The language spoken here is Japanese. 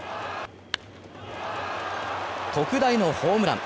特大のホームラン。